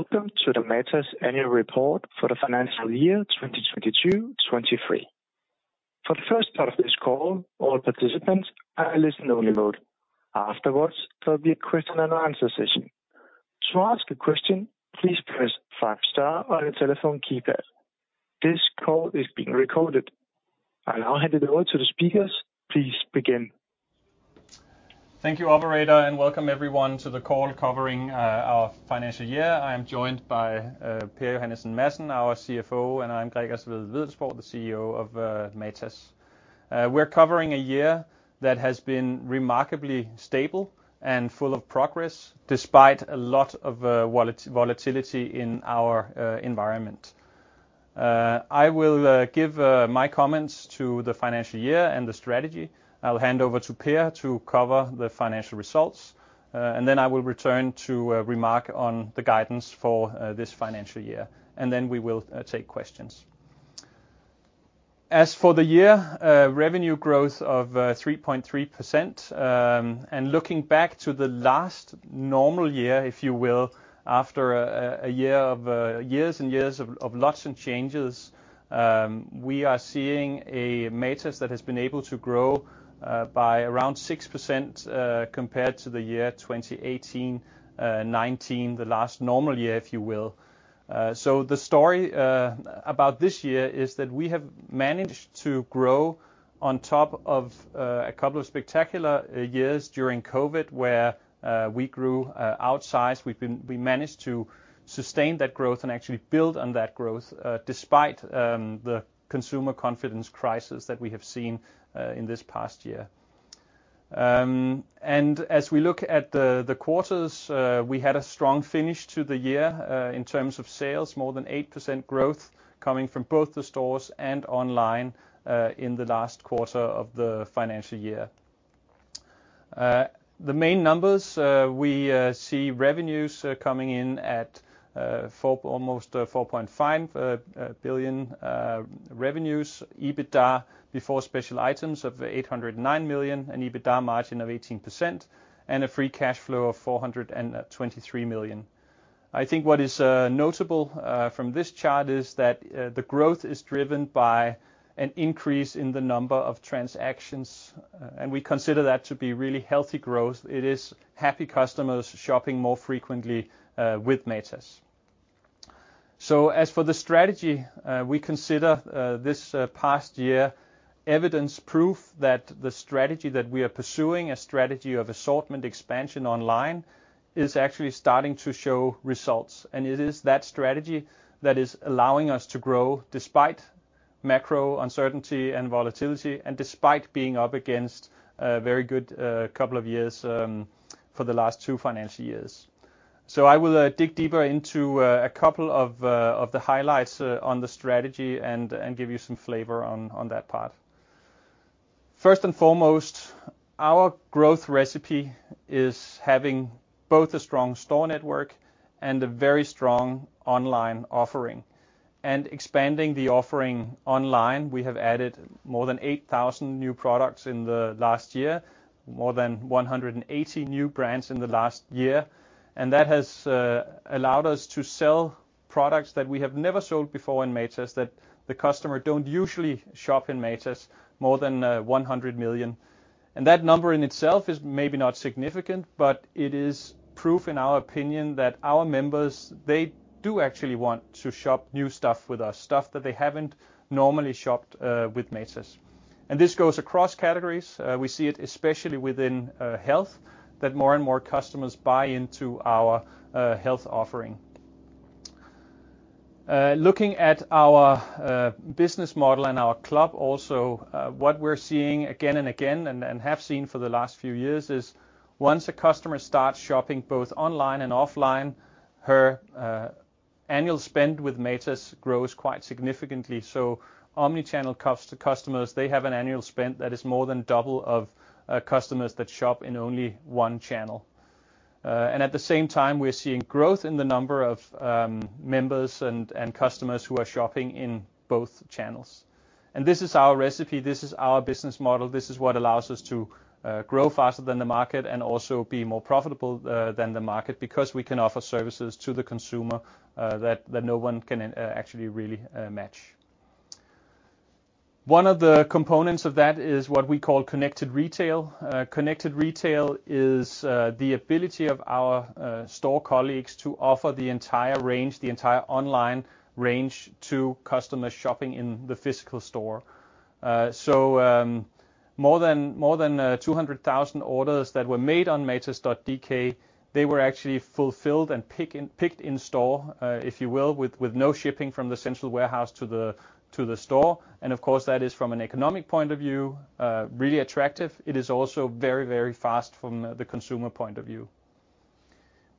Welcome to the Matas Annual Report for the financial year 2022, 2023. For the first part of this call, all participants are in listen-only mode. Afterwards, there will be a question-and-answer session. To ask a question, please press 5 star on your telephone keypad. This call is being recorded. I'll now hand it over to the speakers. Please begin. Thank you, operator, welcome everyone to the call covering our financial year. I am joined by Per Johannesen Madsen, our CFO, and I'm Gregers Wedell-Wedellsborg, the CEO of Matas. We're covering a year that has been remarkably stable and full of progress, despite a lot of volatility in our environment. I will give my comments to the financial year and the strategy. I'll hand over to Per to cover the financial results, I will return to remark on the guidance for this financial year, we will take questions. As for the year, revenue growth of 3.3%. Looking back to the last normal year, if you will, after a year of... years and years of lots and changes, we are seeing a Matas that has been able to grow, by around 6%, compared to the year 2018, 19, the last normal year, if you will. The story, about this year is that we have managed to grow on top of, a couple of spectacular, years during COVID, where, we grew, outsized. We managed to sustain that growth and actually build on that growth, despite, the consumer confidence crisis that we have seen, in this past year. As we look at the quarters, we had a strong finish to the year, in terms of sales. More than 8% growth coming from both the stores and online, in the last quarter of the financial year. The main numbers, we see revenues coming in at almost 4.5 billion revenues, EBITDA before special items of 809 million, an EBITDA margin of 18%, and a free cash flow of 423 million. I think what is notable from this chart is that the growth is driven by an increase in the number of transactions, and we consider that to be really healthy growth. It is happy customers shopping more frequently with Matas. As for the strategy, we consider this past year evidence proof that the strategy that we are pursuing, a strategy of assortment expansion online, is actually starting to show results. It is that strategy that is allowing us to grow despite macro uncertainty and volatility, and despite being up against a very good couple of years for the last two financial years. I will dig deeper into a couple of the highlights on the strategy and give you some flavor on that part. First and foremost, our growth recipe is having both a strong store network and a very strong online offering. Expanding the offering online, we have added more than 8,000 new products in the last year, more than 180 new brands in the last year, and that has allowed us to sell products that we have never sold before in Matas, that the customer don't usually shop in Matas, more than 100 million. That number in itself is maybe not significant, but it is proof, in our opinion, that our members, they do actually want to shop new stuff with us, stuff that they haven't normally shopped with Matas. This goes across categories. We see it especially within health, that more and more customers buy into our health offering. Looking at our business model and our club also, what we're seeing again and again, and have seen for the last few years, is once a customer starts shopping both online and offline, her annual spend with Matas grows quite significantly. Omni-channel customers, they have an annual spend that is more than double of customers that shop in only one channel. At the same time, we're seeing growth in the number of members and customers who are shopping in both channels. This is our recipe, this is our business model. This is what allows us to grow faster than the market and also be more profitable than the market, because we can offer services to the consumer that no one can actually really match. One of the components of that is what we call connected retail. Connected retail is the ability of our store colleagues to offer the entire range, the entire online range, to customers shopping in the physical store. More than 200,000 orders that were made on matas.dk, they were actually fulfilled and picked in store, if you will, with no shipping from the central warehouse to the store. Of course, that is, from an economic point of view, really attractive. It is also very fast from the consumer point of view.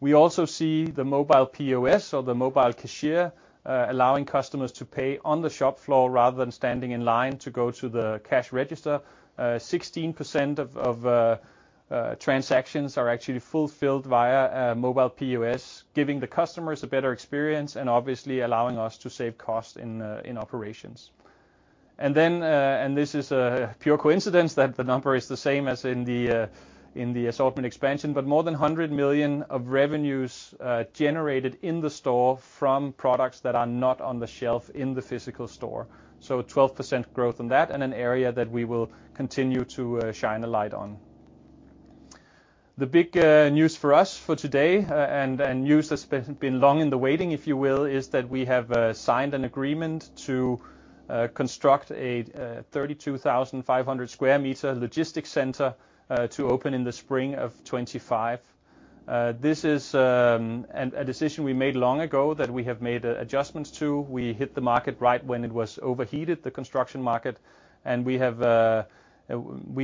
We also see the mobile POS or the mobile cashier allowing customers to pay on the shop floor rather than standing in line to go to the cash register. 16% of transactions are actually fulfilled via mobile POS, giving the customers a better experience and obviously allowing us to save cost in operations. This is a pure coincidence, that the number is the same as in the assortment expansion, but more than 100 million of revenues generated in the store from products that are not on the shelf in the physical store. 12% growth on that and an area that we will continue to shine a light on. The big news for us for today, and news that's been long in the waiting, if you will, is that we have signed an agreement to construct a 32,500 sq m logistics center to open in the spring of 2025. ld what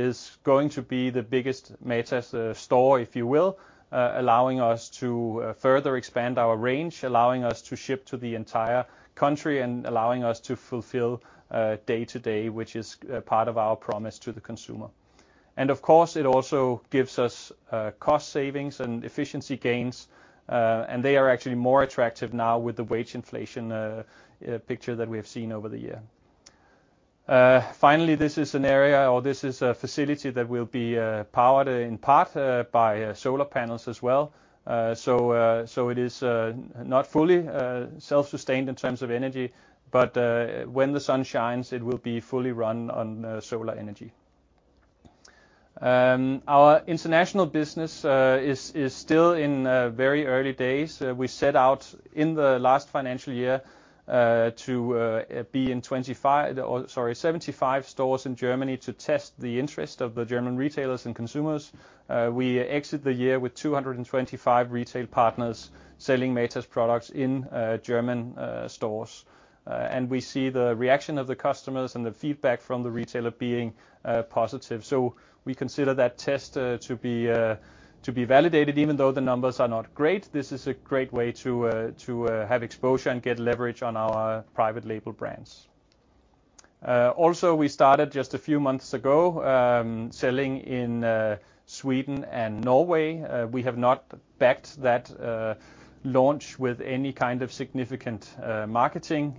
is going to be the biggest Matas store, if you will, allowing us to further expand our range, allowing us to ship to the entire country, and allowing us to fulfill day-to-day, which is part of our promise to the consumer. And of course, it also gives us cost savings and efficiency gains, and they are actually more attractive now with the wage inflation picture that we have seen over the year Finally, this is an area, or this is a facility that will be powered in part by solar panels as well. It is not fully self-sustained in terms of energy, but when the sun shines, it will be fully run on solar energy. Our international business is still in very early days. We set out in the last financial year to be in 25, or sorry, 75 stores in Germany to test the interest of the German retailers and consumers. We exit the year with 225 retail partners selling Matas products in German stores. We see the reaction of the customers and the feedback from the retailer being positive. We consider that test to be validated, even though the numbers are not great. This is a great way to have exposure and get leverage on our private label brands. Also, we started just a few months ago, selling in Sweden and Norway. We have not backed that launch with any kind of significant marketing.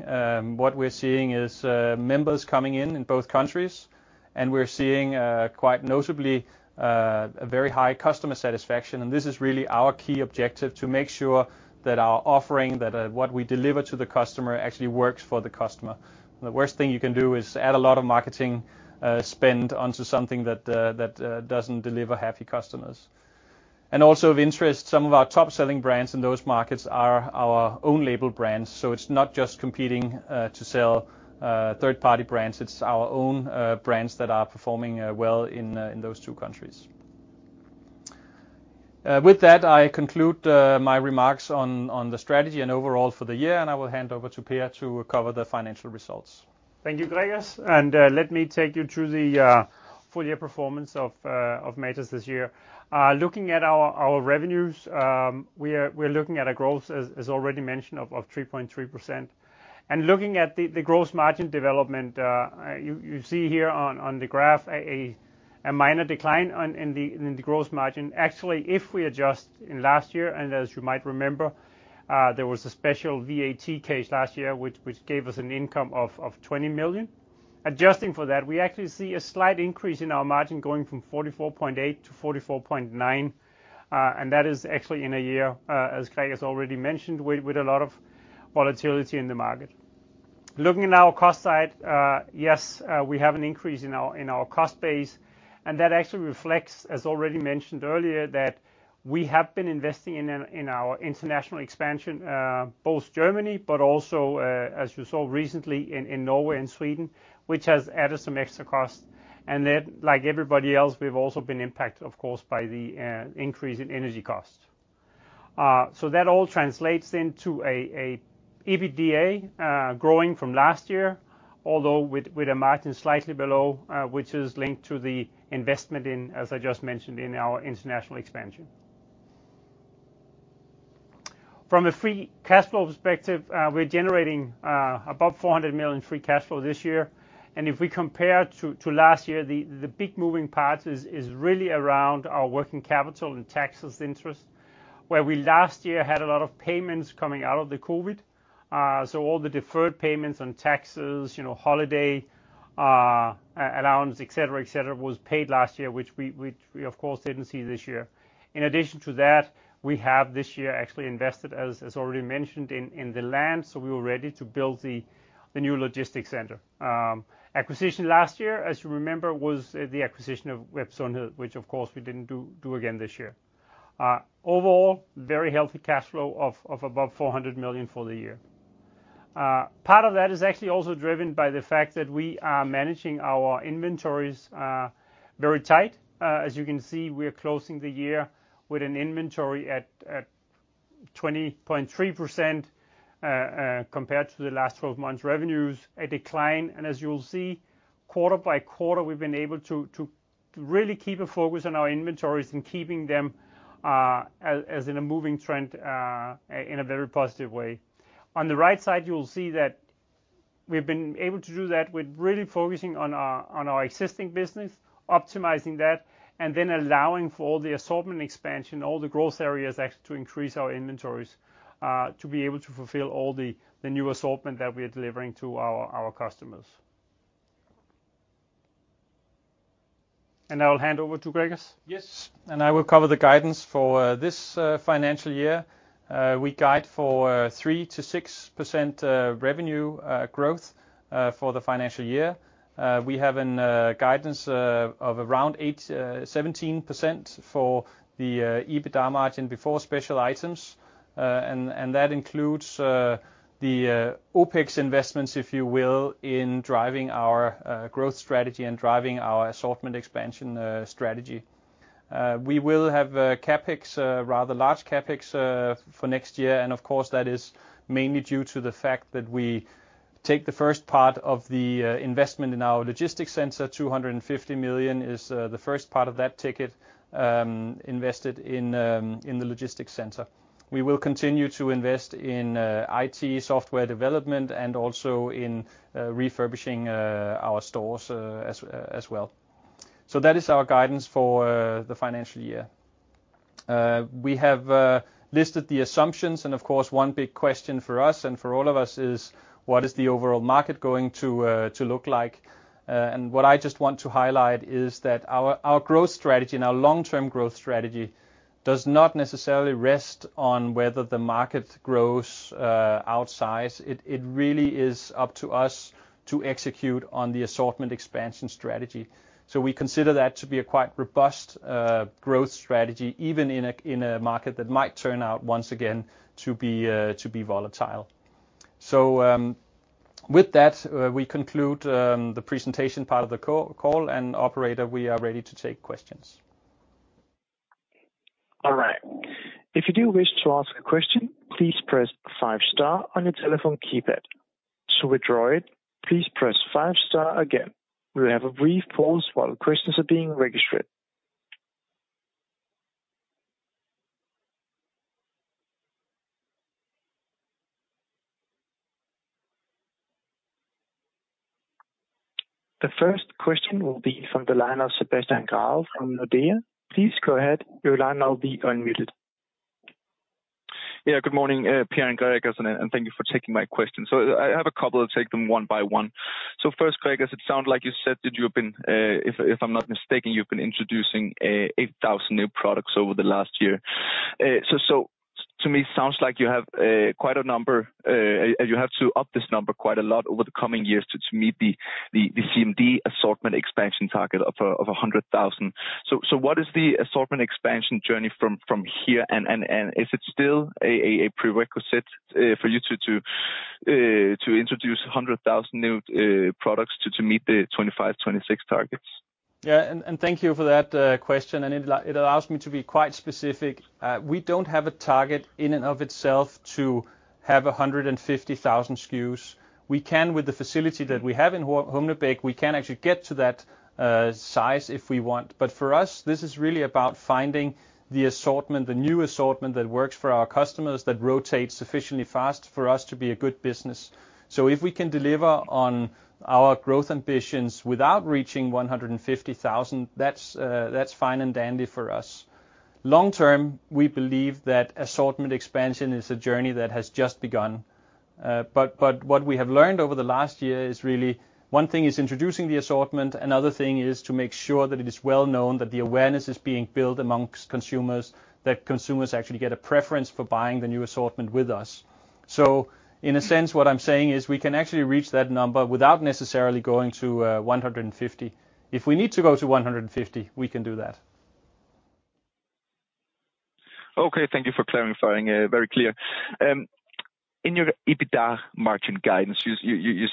What we're seeing is members coming in in both countries, and we're seeing quite notably a very high customer satisfaction. This is really our key objective, to make sure that our offering, that what we deliver to the customer actually works for the customer. The worst thing you can do is add a lot of marketing spend onto something that doesn't deliver happy customers. Also of interest, some of our top-selling brands in those markets are our own label brands, so it's not just competing to sell third-party brands, it's our own brands that are performing well in those two countries. With that, I conclude my remarks on the strategy and overall for the year, and I will hand over to Per to cover the financial results. Thank you, Gregers, let me take you through the full year performance of Matas this year. Looking at our revenues, we're looking at a growth, as already mentioned, of 3.3%. Looking at the gross margin development, you see here on the graph, a minor decline in the gross margin. Actually, if we adjust in last year, as you might remember, there was a special VAT case last year, which gave us an income of 20 million. Adjusting for that, we actually see a slight increase in our margin, going from 44.8% to 44.9%. That is actually in a year, as Gregers already mentioned, with a lot of volatility in the market. Looking at our cost side, yes, we have an increase in our, in our cost base, that actually reflects, as already mentioned earlier, that we have been investing in our, in our international expansion, both Germany, but also, as you saw recently in Norway and Sweden, which has added some extra cost. Like everybody else, we've also been impacted, of course, by the increase in energy costs. That all translates into a EBITDA growing from last year, although with a margin slightly below, which is linked to the investment in, as I just mentioned, in our international expansion. From a free cash flow perspective, we're generating above 400 million free cash flow this year. If we compare to last year, the big moving parts is really around our working capital and taxes interest, where we last year had a lot of payments coming out of the COVID. All the deferred payments on taxes, you know, holiday, allowance, et cetera, et cetera, was paid last year, which we, of course, didn't see this year. In addition to that, we have this year actually invested, as already mentioned, in the land, so we were ready to build the new logistics center. Acquisition last year, as you remember, was the acquisition of Websund, which of course, we didn't do again this year. Overall, very healthy cash flow of above 400 million for the year. part of that is actually also driven by the fact that we are managing our inventories very tight. As you can see, we are closing the year with an inventory at 20.3%, compared to the last 12 months' revenues, a decline. As you will see, quarter by quarter, we've been able to really keep a focus on our inventories and keeping them as in a moving trend in a very positive way. On the right side, you will see. We've been able to do that with really focusing on our existing business, optimizing that, allowing for all the assortment expansion, all the growth areas, actually, to increase our inventories to be able to fulfill all the new assortment that we are delivering to our customers. I'll hand over to Gregers. Yes, I will cover the guidance for this financial year. We guide for 3%-6% revenue growth for the financial year. We have a guidance of around 17% for the EBITDA margin before special items. That includes the OpEx investments, if you will, in driving our growth strategy and driving our assortment expansion strategy. We will have CapEx, rather large CapEx, for next year, and of course, that is mainly due to the fact that we take the first part of the investment in our logistics center. 250 million is the first part of that ticket, invested in the logistics center. We will continue to invest in IT, software development, and also in refurbishing our stores as well. That is our guidance for the financial year. We have listed the assumptions, of course, one big question for us and for all of us is, what is the overall market going to look like? What I just want to highlight is that our growth strategy and our long-term growth strategy does not necessarily rest on whether the market grows outsize. It really is up to us to execute on the assortment expansion strategy. We consider that to be a quite robust growth strategy, even in a market that might turn out once again to be volatile. With that, we conclude the presentation part of the call, and operator, we are ready to take questions. All right. If you do wish to ask a question, please press 5 star on your telephone keypad. To withdraw it, please press 5 star again. We'll have a brief pause while questions are being registered. The first question will be from the line of Sebastian Grave from Nordea. Please go ahead. Your line now be unmuted. Yeah, good morning, Per and Gregers, thank you for taking my question. I have a couple. I'll take them one by one. First, Gregers, it sounds like you said that you have been, if I'm not mistaken, you've been introducing 8,000 new products over the last year. To me, it sounds like you have quite a number, and you have to up this number quite a lot over the coming years to meet the CMD assortment expansion target of 100,000. What is the assortment expansion journey from here? Is it still a prerequisite for you to introduce 100,000 new products to meet the 2025, 2026 targets? Yeah, thank you for that question, it allows me to be quite specific. We don't have a target in and of itself to have 150,000 SKUs. We can, with the facility that we have in Humle-co, we can actually get to that size if we want. For us, this is really about finding the assortment, the new assortment, that works for our customers, that rotates sufficiently fast for us to be a good business. If we can deliver on our growth ambitions without reaching 150,000, that's fine and dandy for us. Long term, we believe that assortment expansion is a journey that has just begun. What we have learned over the last year is really, one thing is introducing the assortment, another thing is to make sure that it is well known, that the awareness is being built amongst consumers, that consumers actually get a preference for buying the new assortment with us. In a sense, what I'm saying is, we can actually reach that number without necessarily going to 150. If we need to go to 150, we can do that. Okay, thank you for clarifying. Very clear. In your EBITDA margin guidance, you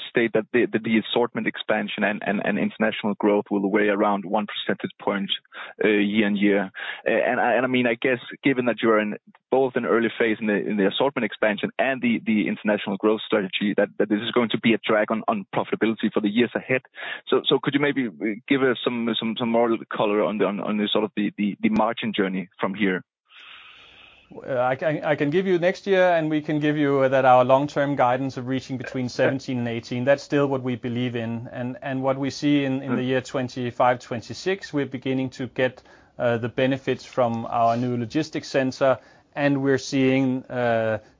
state that the assortment expansion and international growth will weigh around one percentage point year-on-year. I mean, I guess given that you are in both an early phase in the assortment expansion and the international growth strategy, that this is going to be a drag on profitability for the years ahead. Could you maybe give us some more color on the sort of the margin journey from here? I can give you next year, we can give you that our long-term guidance of reaching between 17% and 18%. That's still what we believe in and what we see. Mm-hmm. In the year 2025, 2026, we're beginning to get the benefits from our new logistics center, and we're seeing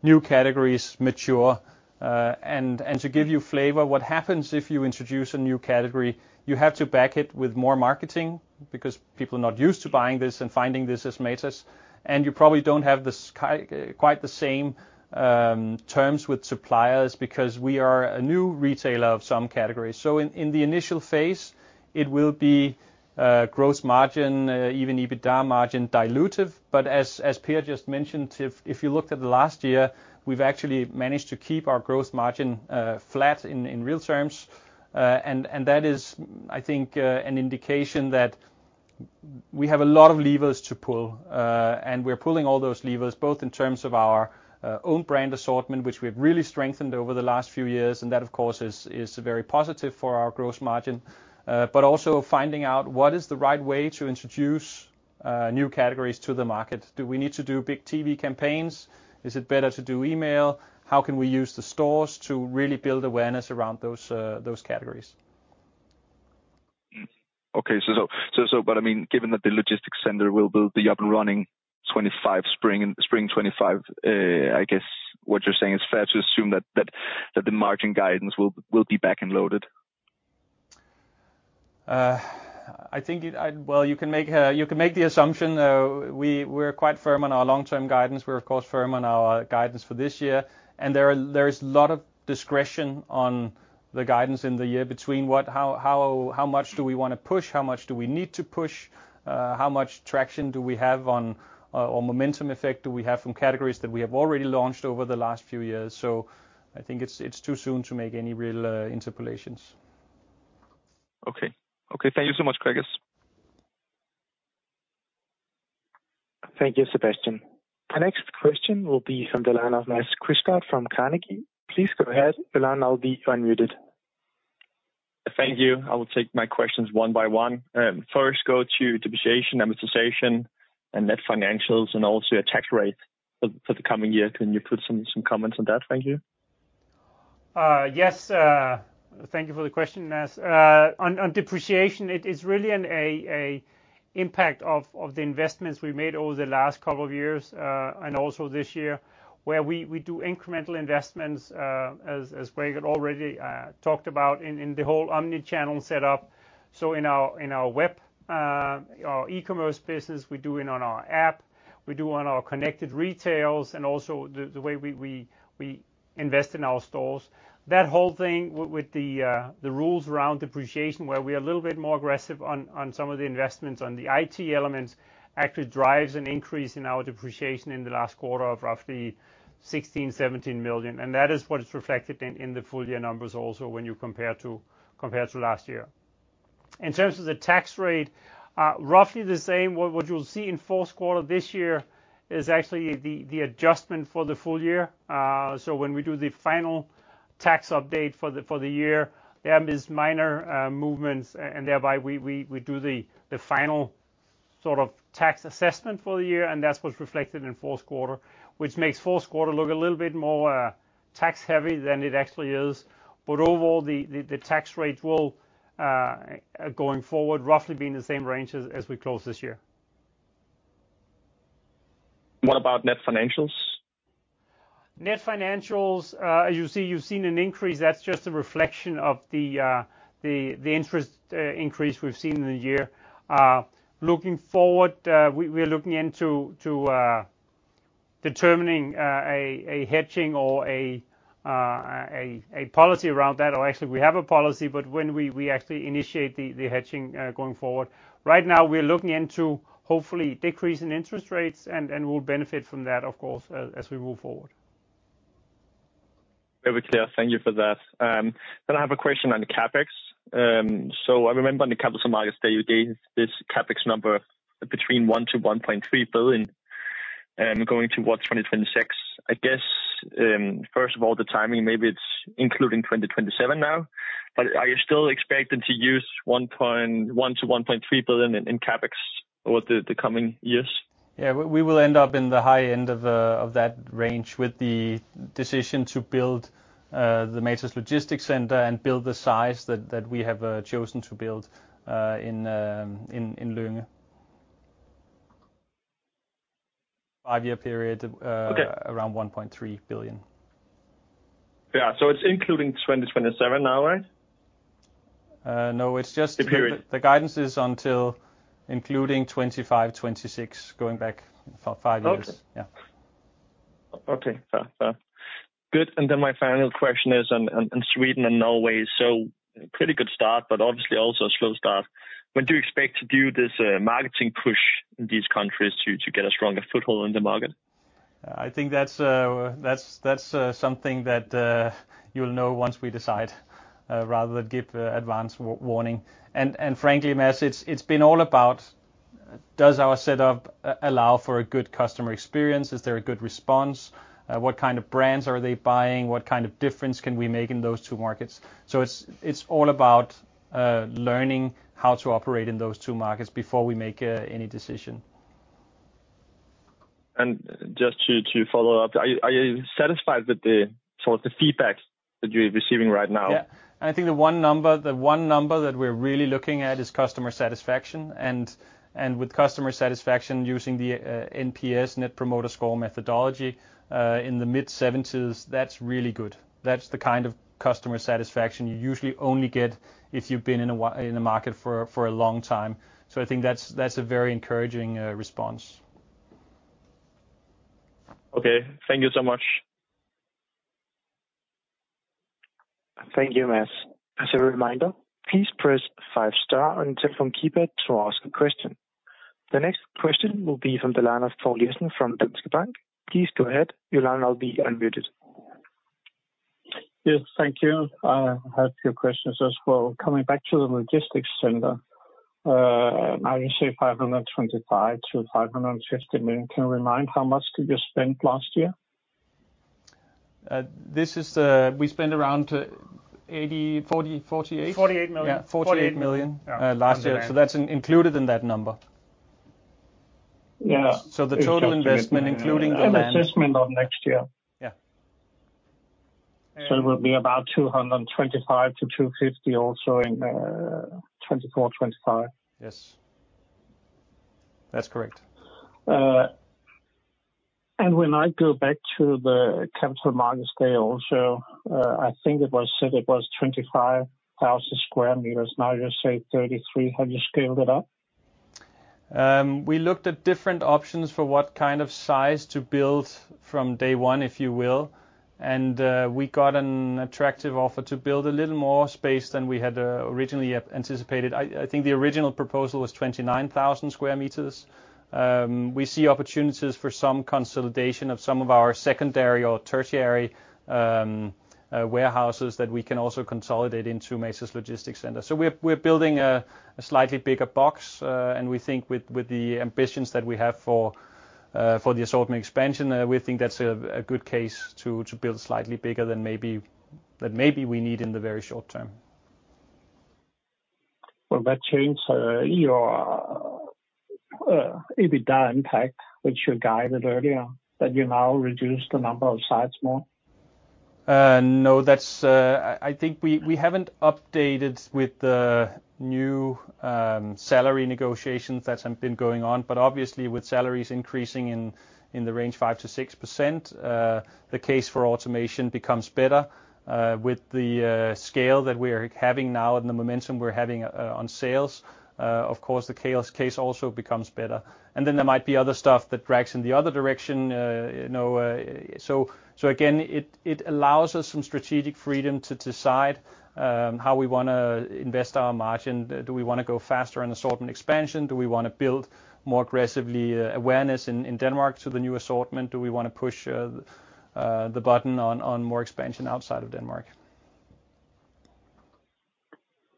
new categories mature. To give you flavor, what happens if you introduce a new category, you have to back it with more marketing because people are not used to buying this and finding this as Matas, and you probably don't have the SKUs quite the same terms with suppliers because we are a new retailer of some categories. In the initial phase, it will be gross margin, even EBITDA margin dilutive. As Pierre just mentioned, if you looked at the last year, we've actually managed to keep our gross margin flat in real terms. That is, I think, an indication that we have a lot of levers to pull, and we're pulling all those levers, both in terms of our own brand assortment, which we've really strengthened over the last few years, and that, of course, is very positive for our gross margin. Also finding out what is the right way to introduce new categories to the market. Do we need to do big TV campaigns? Is it better to do email? How can we use the stores to really build awareness around those categories? I mean, given that the logistics center will be up and running 2025, spring 2025, I guess what you're saying, it's fair to assume that the margin guidance will be back and loaded? Well, you can make, you can make the assumption, we're quite firm on our long-term guidance. We're of course, firm on our guidance for this year, there is a lot of discretion on the guidance in the year between what, how much do we want to push, how much do we need to push, how much traction do we have on, or momentum effect do we have from categories that we have already launched over the last few years? I think it's too soon to make any real interpolations. Okay. Okay, thank you so much, Gregers. Thank you, Sebastian. The next question will be from the line of Nas Christa from Carnegie. Please go ahead. The line now be unmuted. Thank you. I will take my questions one by one. First, go to depreciation, amortization, and net financials, and also your tax rate for the coming year. Can you put some comments on that? Thank you. Yes, thank you for the question, Nas. On depreciation, it is really an impact of the investments we made over the last couple of years, and also this year, where we do incremental investments, as Greg already talked about in the whole omni-channel setup. In our web, our e-commerce business, we do it on our app, we do on our connected retails, and also the way we invest in our stores. That whole thing with the rules around depreciation, where we are a little bit more aggressive on some of the investments, on the IT elements, actually drives an increase in our depreciation in the last quarter of roughly 16 million-17 million. That is what is reflected in the full year numbers also, when you compare to last year. In terms of the tax rate, roughly the same. What you'll see in fourth quarter this year is actually the adjustment for the full year. When we do the final tax update for the year, there is minor movements, and thereby, we do the final sort of tax assessment for the year, and that's what's reflected in fourth quarter, which makes fourth quarter look a little bit more tax heavy than it actually is. Overall, the tax rate will going forward, roughly be in the same range as we close this year. What about net financials? Net financials, you've seen an increase. That's just a reflection of the interest increase we've seen in the year. Looking forward, we are looking into determining a hedging or a policy around that. Actually, we have a policy, but when we actually initiate the hedging going forward. Right now, we're looking into hopefully decreasing interest rates, and we'll benefit from that, of course, as we move forward. Very clear. Thank you for that. I have a question on the CapEx. I remember on the Capital Markets Day, you gave this CapEx number between 1 billion-1.3 billion going towards 2026. I guess, first of all, the timing, maybe it's including 2027 now, are you still expecting to use 1 billion-1.3 billion in CapEx over the coming years? We will end up in the high end of that range with the decision to build the Matas Logistics Center and build the size that we have chosen to build in Lynge. Five-year period. Okay. Around 1.3 billion. Yeah. It's including 2027 now, right? No. The period. The guidance is until including 2025, 2026, going back for five years. Okay. Yeah. Okay. Fair, fair. Good, my final question is on Sweden and Norway. Pretty good start, but obviously also a slow start. When do you expect to do this marketing push in these countries to get a stronger foothold in the market? I think that's something that you'll know once we decide rather than give advance warning. frankly, Nas, it's been all about, does our setup allow for a good customer experience? Is there a good response? What kind of brands are they buying? What kind of difference can we make in those two markets? it's all about learning how to operate in those two markets before we make any decision. Just to follow up, are you satisfied with sort of the feedback that you're receiving right now? Yeah. I think the one number that we're really looking at is customer satisfaction. And with customer satisfaction, using the NPS, Net Promoter Score methodology, in the mid-70s, that's really good. That's the kind of customer satisfaction you usually only get if you've been in the market for a long time. I think that's a very encouraging response. Okay. Thank you so much. Thank you, Nas. As a reminder, please press 5 star on telephone keypad to ask a question. The next question will be from the line of Paul Lawson from Danske Bank. Please go ahead. Your line will be unmuted. Yes, thank you. I have a few questions as well. Coming back to the logistics center, now you say 525 million-550 million. Can you remind how much did you spend last year? This is, we spent around 80, 40, 48? 48 million. Yeah, 48 million. Forty-eight. Last year. That's included in that number. Yeah. The total investment, including. An assessment of next year. Yeah. It will be about 225-250, also, in 2024-2025. Yes. That's correct. When I go back to the Capital Markets Day, I think it was said it was 25,000 sq m, now you say 33. Have you scaled it up? We looked at different options for what kind of size to build from day one, if you will, and we got an attractive offer to build a little more space than we had originally anticipated. I think the original proposal was 29,000 square meters. We see opportunities for some consolidation of some of our secondary or tertiary warehouses that we can also consolidate into Matas Logistics Center. We're building a slightly bigger box, and we think with the ambitions that we have for the assortment expansion, we think that's a good case to build slightly bigger than maybe we need in the very short term. Will that change, your EBITDA impact, which you guided earlier, that you now reduce the number of sites more? No, that's. I think we haven't updated with the new salary negotiations that have been going on, but obviously, with salaries increasing in the range 5% to 6%, the case for automation becomes better. With the scale that we are having now and the momentum we're having on sales, of course, the case also becomes better. There might be other stuff that drags in the other direction, you know. Again, it allows us some strategic freedom to decide how we wanna invest our margin. Do we wanna go faster on assortment expansion? Do we wanna build more aggressively awareness in Denmark to the new assortment? Do we wanna push the button on more expansion outside of Denmark?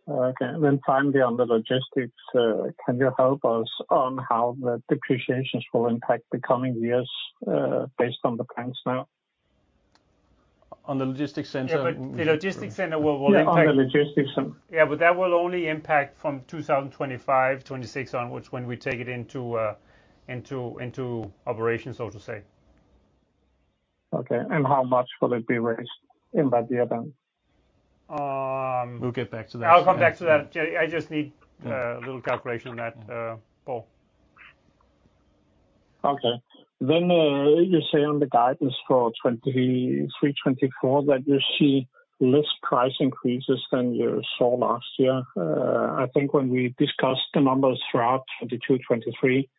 Okay. finally, on the logistics, can you help us on how the depreciations will impact the coming years, based on the plans now? On the logistics center? Yeah, the logistics center will. Yeah, on the logistics center. That will only impact from 2025, 2026 onwards, when we take it into operation, so to say. Okay. How much will it be raised in that event? Um- We'll get back to that. I'll come back to that, Jay. I just need a little calculation on that, Paul. Okay. You say on the guidance for 2023, 2024, that you see less price increases than you saw last year. I think when we discussed the numbers throughout 2022, 2023,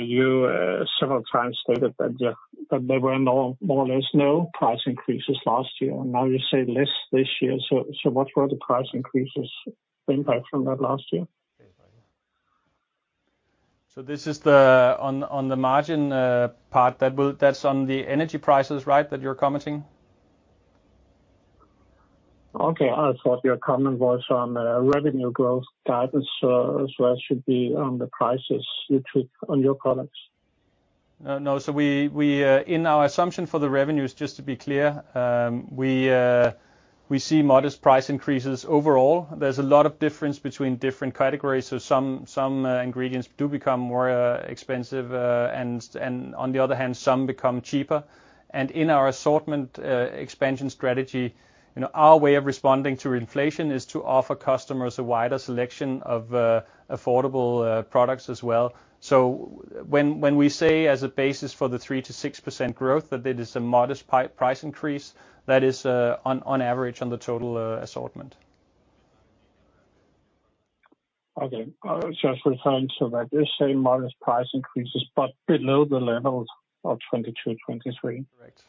you several times stated that there were more or less no price increases last year, and now you say less this year. What were the price increases impact from that last year? This is the, on the margin, part, that's on the energy prices, right, that you're commenting? Okay. I thought your comment was on revenue growth guidance, as well as should be on the prices you took on your products. No. We, in our assumption for the revenues, just to be clear, we see modest price increases overall. There's a lot of difference between different categories, so some ingredients do become more expensive, and on the other hand, some become cheaper. In our assortment expansion strategy, you know, our way of responding to inflation is to offer customers a wider selection of affordable products as well. When we say as a basis for the 3%-6% growth, that it is a modest price increase, that is, on average on the total assortment. Okay. Just to confirm, that is same modest price increases, below the level of 2022, 2023? Correct.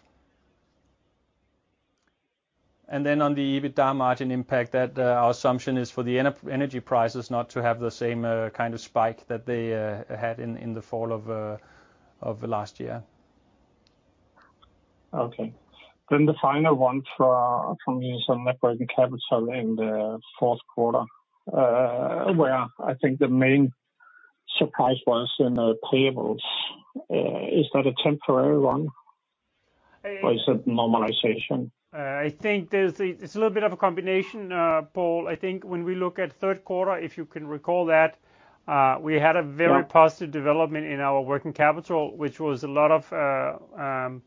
On the EBITDA margin impact, that, our assumption is for the energy prices not to have the same kind of spike that they had in the fall of last year. Okay. The final one for, from me is on net working capital in the fourth quarter, where I think the main surprise was in the payables. Is that a temporary one? Uh- Is it normalization? It's a little bit of a combination, Paul. I think when we look at third quarter, if you can recall that, we had a very. Yeah... positive development in our working capital, which was a lot of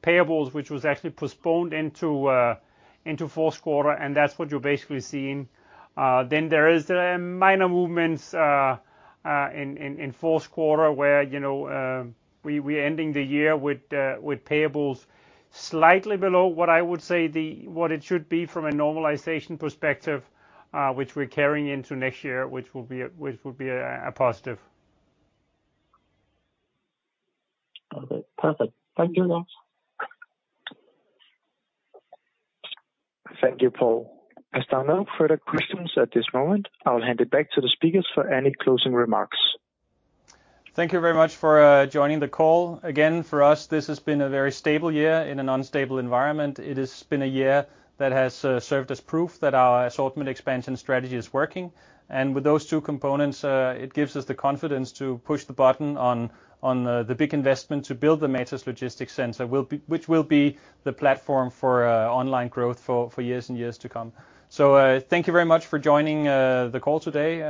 payables, which was actually postponed into fourth quarter, and that's what you're basically seeing. There is minor movements in fourth quarter, where, you know, we're ending the year with payables slightly below what I would say the, what it should be from a normalization perspective, which we're carrying into next year, which will be a positive. Okay. Perfect. Thank you. Thank you, Paul. As there are no further questions at this moment, I'll hand it back to the speakers for any closing remarks. Thank you very much for joining the call. Again, for us, this has been a very stable year in an unstable environment. It has been a year that has served as proof that our assortment expansion strategy is working. With those two components, it gives us the confidence to push the button on the big investment to build the Matas Logistics Center, which will be the platform for online growth for years and years to come. Thank you very much for joining the call today.